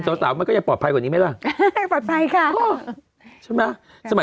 เอ้าไปพักกันอีกแปบนึงค่ะ